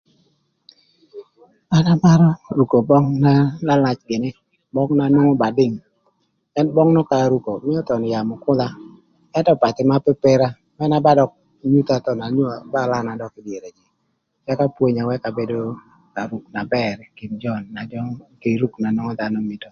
An amarö rükö böng na lalac gïnï böng na nwongo ba dïng, ën böng nön ka arükö mïö thon yamö küdha, ëntö pathï mëna pepera, man ba dök nyutha thon ba dök lana ï dyere, ëka pwonya wëkö abedo na bër kï ruk na nwongo dhanö mïtö.